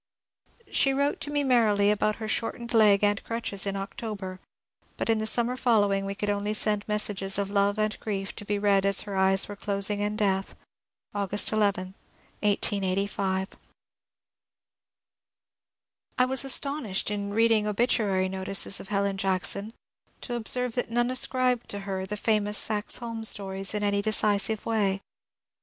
She wrote to me merrily about her shortened leg and crutches in October, but in the summer following we could only send messages of love and grief to be read as her eyes were closing in death, — August 11,*1885. I wafl astonished in reading obituary notices of Helen Jack P son to observe that none ascribed to her the famous Saxe Holm stories in any decisive way.